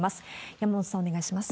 山本さん、お願いします。